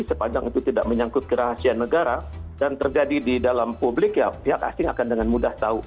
sepanjang itu tidak menyangkut kerahasiaan negara dan terjadi di dalam publik ya pihak asing akan dengan mudah tahu